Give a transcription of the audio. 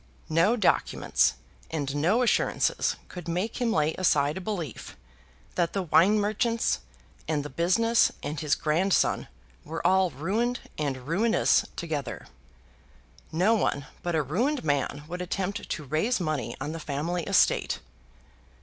No documents and no assurances could make him lay aside a belief that the wine merchants, and the business, and his grandson were all ruined and ruinous together. No one but a ruined man would attempt to raise money on the family estate!